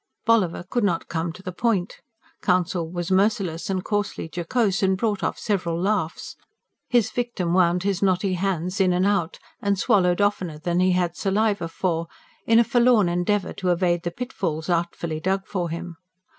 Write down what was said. Bolliver could not come to the point. Counsel was merciless and coarsely jocose, and brought off several laughs. His victim wound his knotty hands in and out, and swallowed oftener than he had saliva for, in a forlorn endeavour to evade the pitfalls artfully dug for him.